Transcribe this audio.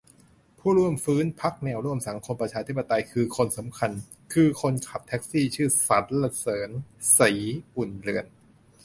"ผู้ร่วมฟื้น พรรคแนวร่วมสังคมประชาธิปไตย คนสำคัญ คือ คนขับแท็กซีชื่อ สรรเสริญ ศรีอุ่นเรือน"